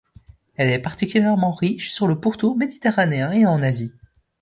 Elle est particulièrement riche sur le pourtour méditerranéen et en Asie.